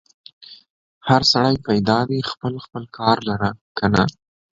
هر سړی پیدا دی خپل خپل کار لره که نه؟